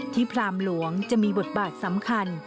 พรามหลวงจะมีบทบาทสำคัญ